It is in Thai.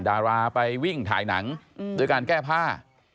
ดาราไปวิ่งถ่ายหนังด้วยการแก้ผ้า